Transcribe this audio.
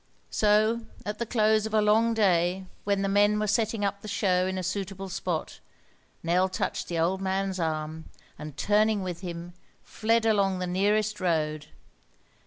So at the close of a long day, when the men were setting up the show in a suitable spot, Nell touched the old man's arm, and turning with him fled along the nearest road.